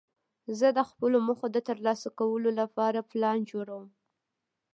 زه د خپلو موخو د ترلاسه کولو له پاره پلان جوړوم.